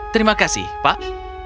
terima kasih pak